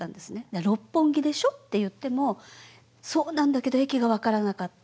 「六本木でしょ」って言っても「そうなんだけど駅が分からなかった」